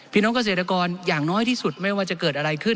พี่น้องเกษตรกรอย่างน้อยที่สุดไม่ว่าจะเกิดอะไรขึ้น